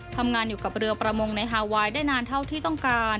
ทำงานอยู่กับเรือประมงในฮาไวน์ได้นานเท่าที่ต้องการ